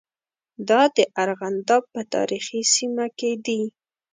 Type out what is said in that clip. دا د ارغنداب په تاریخي سیمه کې دي.